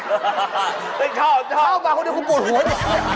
เฮ้ยเข้ามาคนเดียวผมปูดหัวเอง